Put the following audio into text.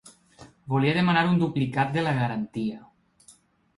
Volia demanar un duplicat de la garantia.